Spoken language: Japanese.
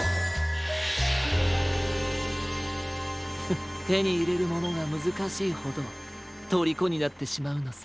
フッてにいれるものがむずかしいほどとりこになってしまうのさ。